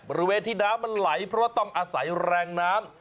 บริเวณที่น้ำมันไหลเพราะว่าต้องอาศัยแรงน้ำ